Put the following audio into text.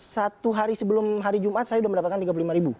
satu hari sebelum hari jumat saya sudah mendapatkan tiga puluh lima ribu